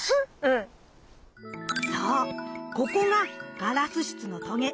そうここがガラス質のトゲ。